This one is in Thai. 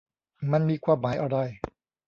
มันมีความหมายอะไร ?